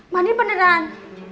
mbak adin beneran